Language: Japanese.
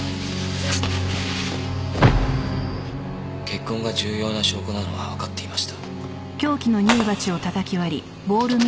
血痕が重要な証拠なのはわかっていました。